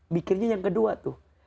mikirnya yang kedua tuh